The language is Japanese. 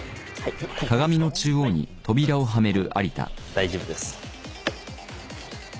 大丈夫です。